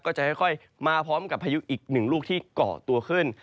ก็จะค่อยมาพร้อมกับพายุอีกหนึ่งลูกที่เกาะตัวขึ้น